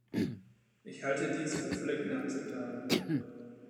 Ich halte dies für völlig inakzeptabel.